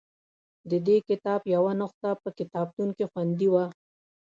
د دې کتاب یوه نسخه په کتابتون کې خوندي وه.